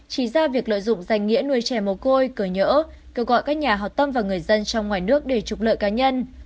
chỉ ra việc lợi dụng danh nghĩa nuôi trẻ mồ côi cờ nhỡ kêu gọi các nhà hào tâm và người dân trong ngoài nước để trục lợi cá nhân